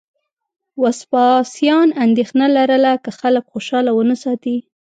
وسپاسیان اندېښنه لرله که خلک خوشاله ونه ساتي